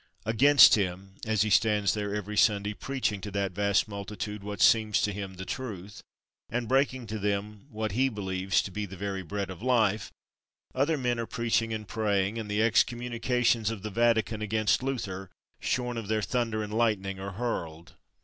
Against him, as he stands there every Sunday preaching to that vast multitude what seems to him the truth, and breaking to them what he believes to be the very bread of life, other men are preaching and praying, and the excommunications of the Vatican against Luther, shorn of their thunder and lightning, are hurled.